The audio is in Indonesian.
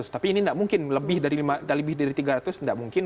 tapi ini tidak mungkin lebih dari tiga ratus tidak mungkin